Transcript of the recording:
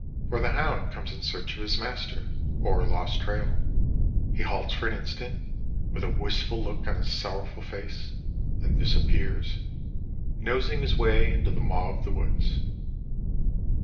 Or the hound comes in search of his master or a lost trail. He halts for an instant, with a wistful look on his sorrowful face, then disappears, nosing his way into the maw of the woods.